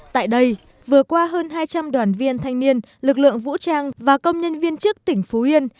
tại đây vừa qua hơn hai trăm linh đoàn viên thanh niên lực lượng vũ trang và công nhân viên chức tỉnh phú yên